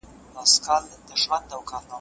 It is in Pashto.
آیا تودې اوبه تر سړو اوبو پاکوونکې دي؟